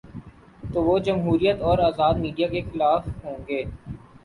تو وہ جمہوریت اور آزاد میڈیا کے مخالفین ہو ں گے۔